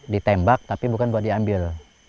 ditembak tapi bukan buat diambil